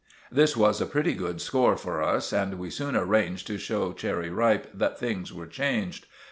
This was a pretty good score for us, and we soon arranged to show Cherry Ripe that things were changed.